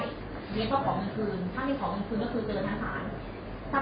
เรียนต้องของมือคืนถ้ามีของมือคืนก็คือเจริญทางฐาน